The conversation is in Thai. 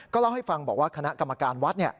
ก็เล่าให้ฟังบอกว่ากรรมการหวัด